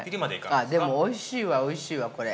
あ、でもおいしいわおいしいわ、これ。